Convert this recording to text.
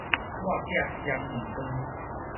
抹壁雙面光